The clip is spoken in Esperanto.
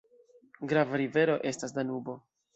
Grava rivero estas Danubo.